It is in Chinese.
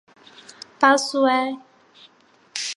巴苏埃。